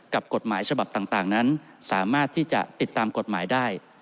กฎหมายฉบับต่างนั้นสามารถที่จะติดตามกฎหมายได้